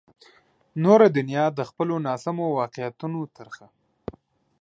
نوره دنیا د خپلو ناسمو واقعیتونو ترخه.